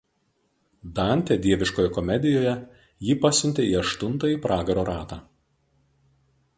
Dantė „Dieviškojoje komedijoje“ jį pasiuntė į aštuntąjį pragaro ratą.